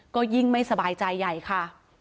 ก็ยิ่งไม่สบายใจใหญ่ค่ะ